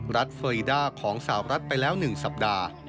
รัฐเฟอรีด้าของสาวรัฐไปแล้วหนึ่งสัปดาห์